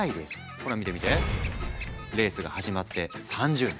ほら見て見てレースが始まって３０年。